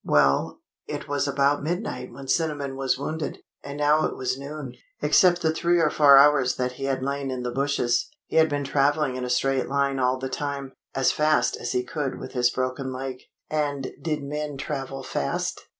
Well, it was about midnight when Cinnamon was wounded, and now it was noon. Except the three or four hours that he had lain in the bushes, he had been travelling in a straight line all the time, as fast as he could with his broken leg. And did men travel fast?